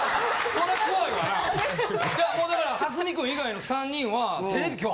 もうだから蓮見君以外の３人は今日。